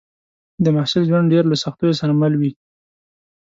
د محصل ژوند ډېر له سختیو سره مل وي